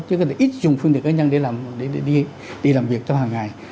chứ có thể ít dùng phương tiện cá nhân để làm để đi làm việc trong hàng ngày